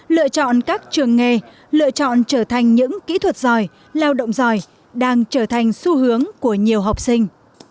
lựa chọn các trường nghề lựa chọn trở thành những kỹ thuật giỏi lao động giỏi đang trở thành xu hướng của nhiều học sinh